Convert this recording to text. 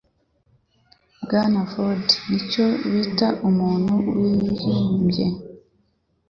Bwana Ford nicyo bita umuntu wihimbye.